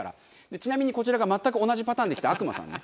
ちなみにこちらが全く同じパターンで来た悪魔さんね。